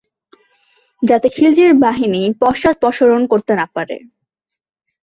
যাতে খিলজির বাহিনী পশ্চাদপসরণ করতে না পারে।